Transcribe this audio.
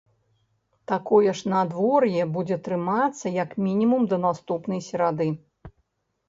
Такое ж надвор'е будзе трымацца як мінімум да наступнай серады.